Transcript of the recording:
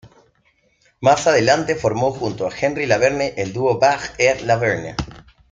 Más adelante formó junto a Henry-Laverne el dúo Bach et Laverne.